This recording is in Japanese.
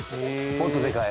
もっとでかい？